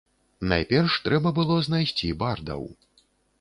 Найперш трэба было знайсці бардаў.